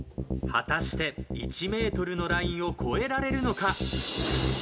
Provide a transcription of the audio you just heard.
果たして１ｍのラインを越えられるのか？